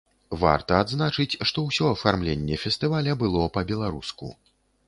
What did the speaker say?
Варта адзначыць, што ўсё афармленне фестываля было па-беларуску.